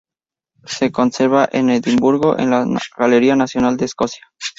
Se conserva en Edimburgo, en la Galería Nacional de Escocia.